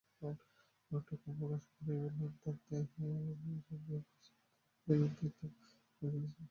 অনেকটা ক্ষোভ প্রকাশ করেই বললেন, ভারতের শাড়ি দেশের বাজার দখল করে ফেলছে।